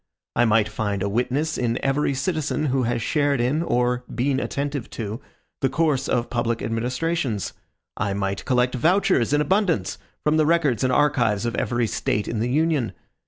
I might find a witness in every citizen who has shared in, or been attentive to, the course of public administrations. I might collect vouchers in abundance from the records and archives of every State in the Union.